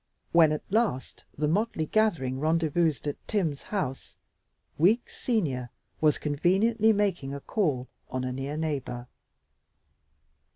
When at last the motley gathering rendezvoused at Tim's house, Weeks, senior, was conveniently making a call on a near neighbor.